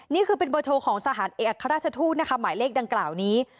นี่คือเป็นเบอร์โทรของสถานเอกอัครราชทูตนะคะหมายเลขดังกล่าวนี้